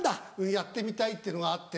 やってみたいというのがあって。